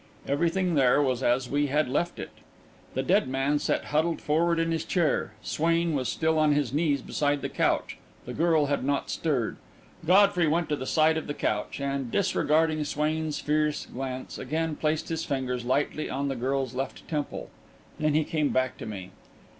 Everything there was as we had left it. The dead man sat huddled forward in his chair; Swain was still on his knees beside the couch; the girl had not stirred. Godfrey went to the side of the couch, and, disregarding Swain's fierce glance, again placed his fingers lightly on the girl's left temple. Then he came back to me.